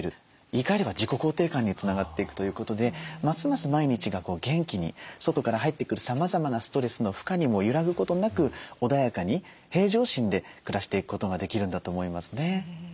言いかえれば自己肯定感につながっていくということでますます毎日が元気に外から入ってくるさまざまなストレスの負荷にも揺らぐことなく穏やかに平常心で暮らしていくことができるんだと思いますね。